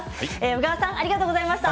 小川さんありがとうございました。